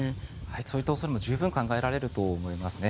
そういった恐れも十分考えられると思いますね。